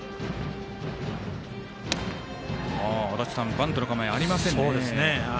バントの構えありませんね。